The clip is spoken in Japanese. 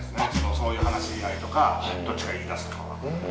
そういう話になるとかどっちか言いだすとかは。